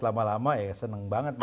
lama lama ya seneng banget